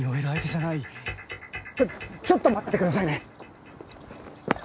ちょちょっと待っててくださいね。